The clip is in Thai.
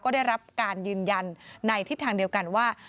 ก็ได้รับการยืนยันในทิศทางเดียวกันว่า